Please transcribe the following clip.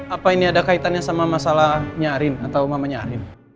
apa ini ada kaitannya sama masalah nyarin atau mamanya arief